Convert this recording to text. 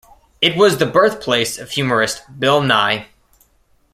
It was the birthplace of humorist Bill Nye.